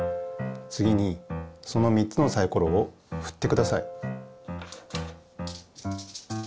つぎにその３つのサイコロをふってください。